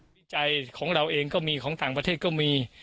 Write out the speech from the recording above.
วิจัยของเราเองก็มีของต่างประเทศก็มี